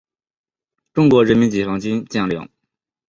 中国人民解放军将领。